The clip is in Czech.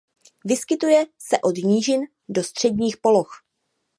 Vyskytuje se od nížin do středních poloh.